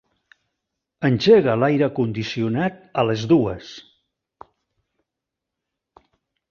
Engega l'aire condicionat a les dues.